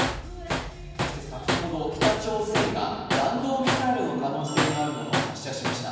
そして先ほど北朝鮮が弾道ミサイルの可能性があるものを発射しました。